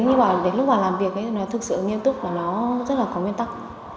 nhưng mà đến lúc mà làm việc ấy thì nó thực sự nghiêm túc và nó rất là có nguyên tắc